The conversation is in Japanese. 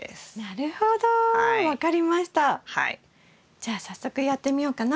じゃあ早速やってみようかな。